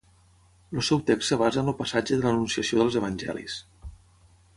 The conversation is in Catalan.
El seu text es basa en el passatge de l'Anunciació dels Evangelis.